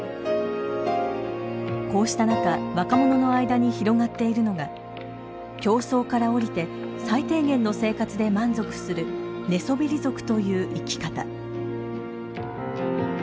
こうした中若者の間に広がっているのが競争から降りて最低限の生活で満足する寝そべり族という生き方。